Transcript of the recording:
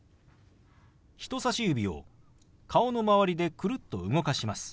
人さし指を顔の周りでくるっと動かします。